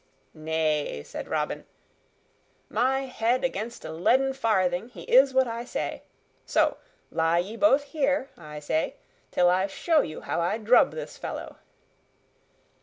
"Nay," said Robin, "my head against a leaden farthing, he is what I say. So, lie ye both here, I say, till I show you how I drub this fellow."